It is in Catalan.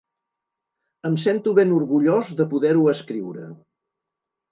Em sento ben orgullós de poder-ho escriure.